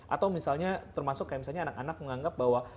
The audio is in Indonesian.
atau misalnya termasuk kayak misalnya anak anak menganggap bahwa